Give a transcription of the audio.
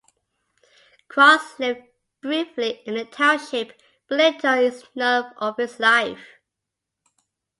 Cross lived briefly in the township, but little is known of his life.